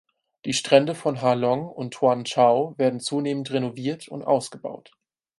Die Strände von Ha Long und Tuan Chau werden zunehmend renoviert und ausgebaut.